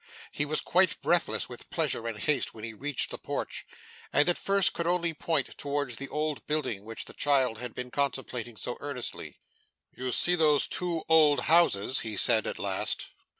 He was quite breathless with pleasure and haste when he reached the porch, and at first could only point towards the old building which the child had been contemplating so earnestly. 'You see those two old houses,' he said at last.